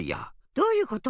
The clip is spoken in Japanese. どういうこと？